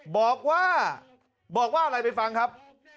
บอกว่าบอกว่าอะไรไปฟังครับ